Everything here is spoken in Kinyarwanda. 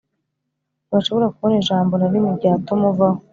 ntibashobora kubona ijambo na rimwe ryatuma uvaho